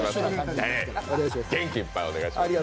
元気いっぱいお願いします。